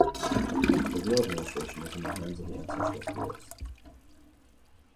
The real administration is in the hands of the ancestral spirits.